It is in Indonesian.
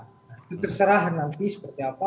itu terserah nanti seperti apa